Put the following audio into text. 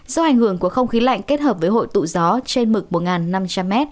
do ảnh hưởng của không khí lạnh kết hợp với hội tụ gió trên mực một năm trăm linh m